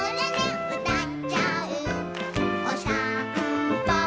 「おさんぽ